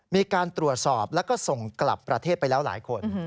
มีการตรวจสอบแล้วก็ส่งกลับประเทศไปแล้วหลายคน